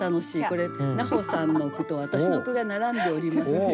これ菜穂さんの句と私の句が並んでおりまして。